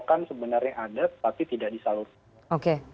kan sebenarnya ada tapi tidak disalurkan